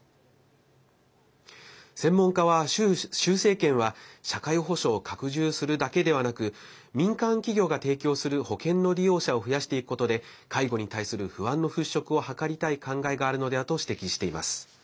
専門家は習政権は社会保障を拡充するだけではなく民間企業が提供する保険の利用者を増やしていくことで介護に対する不安のふっしょくを図りたい考えがあるのではと指摘しています。